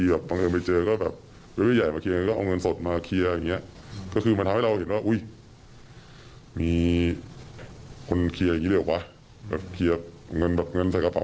อยากได้เงินก็เลยตกลงลองฟังค่ะ